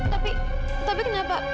tapi tapi kenapa